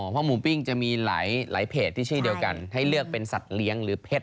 เพราะหมูปิ้งจะมีหลาย